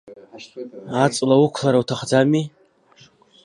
Аҵла уқәлар уҭахӡами!